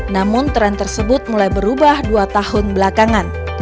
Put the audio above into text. namun tren tersebut mulai berubah dua tahun belakangan